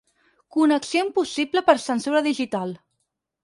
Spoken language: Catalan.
Connexió impossible per censura digital.